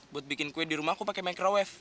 buat bikin kue di rumah aku pakai microwave